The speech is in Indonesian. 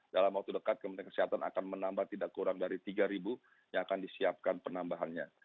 dalam waktu dekat kementerian kesehatan akan menambah tidak kurang dari tiga yang akan disiapkan penambahannya